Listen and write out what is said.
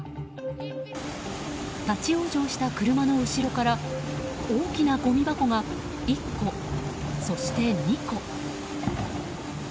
立ち往生した車の後ろから大きなごみ箱が１個、そして２個。